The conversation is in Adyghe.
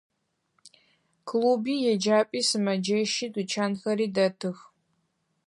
Клуби, еджапӏи, сымэджэщи, тучанхэри дэтых.